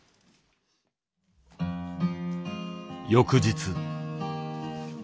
翌日。